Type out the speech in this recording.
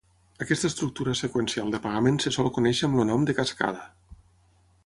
Aquesta estructura seqüencial de pagament se sol conèixer amb el nom de "cascada".